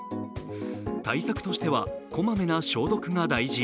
対策としてはこまめな消毒が大事。